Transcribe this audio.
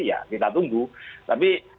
ya kita tunggu tapi